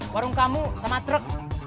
warung kamu sama truk